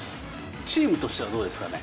チームとしてはどうですかね。